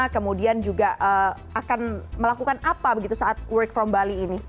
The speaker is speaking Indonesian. kemudian juga akan melakukan apa begitu saat work from bali ini